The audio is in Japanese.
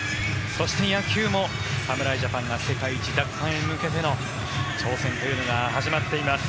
そして野球も、侍ジャパンが世界一奪還へ向けての挑戦というのが始まっています。